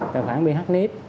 tài khoản bị hắt nít